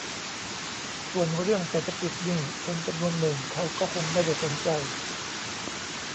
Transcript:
ส่วนเรื่องเศรษฐกิจนี่ คนจำนวนหนึ่งเขาก็คงไม่ได้สนใจ